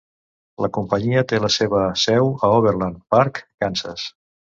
La companyia té la seva seu a Overland Park, Kansas.